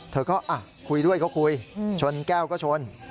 เธอก็คุยด้วยก็คุยชนแก้วก็ชน